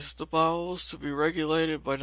The bowels to be regulated by No.